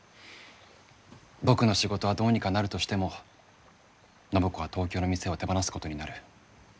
僕の仕事はどうにかなるとしても暢子は東京の店を手放すことになる。